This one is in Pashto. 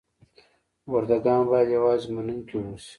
برده ګان باید یوازې منونکي اوسي.